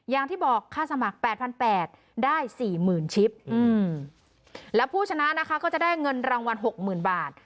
อย่างที่บอกค่าสมัคร๘๘๐๐ได้๔๐๐๐ชิปแล้วผู้ชนะนะคะก็จะได้เงินรางวัล๖๐๐๐บาท